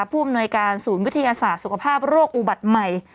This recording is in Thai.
ผู้อำนวยการศูนย์วิทยาศาสตร์สุขภาพโรคอุบัติใหม่